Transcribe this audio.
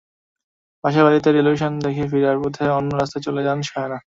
পাশের বাড়িতে টেলিভিশন দেখে ফেরার পথে অন্য রাস্তায় চলে যায় সায়না।